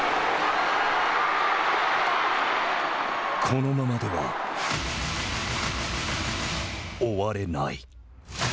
このままでは終われない。